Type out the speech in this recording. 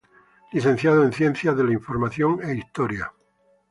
Licenciado en Ciencias de la Información e Historia.